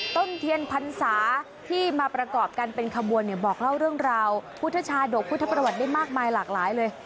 ต้นเทียนพรรษาที่มาประกอบกันเป็นขบวนเนี่ยบอกเล่าเรื่องราวพุทธชาดกพุทธประวัติได้มากมายหลากหลายเลย